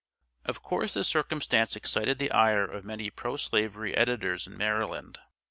BURRIS] Of course this circumstance excited the ire of many pro slavery editors in Maryland.